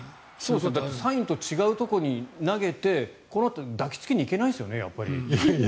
サインと違うところに投げてこのあと抱き着きに行けないですよね。